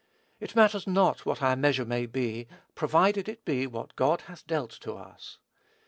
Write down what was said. It matters not what our measure may be, provided it be what God hath dealt to us.